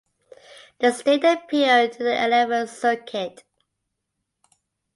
The state appealed to the Eleventh Circuit.